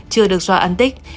chưa được xóa ăn tích